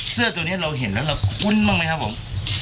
เสื้อตัวนี้เราเห็นแล้วเราคุ้นบ้างไหมครับผม